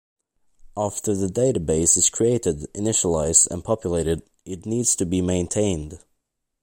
After the database is created, initialised and populated it needs to be maintained.